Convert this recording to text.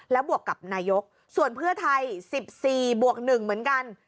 แล้วบวกกับนายกส่วนเพื่อไทย๑๔บวก๑เหมือนกัน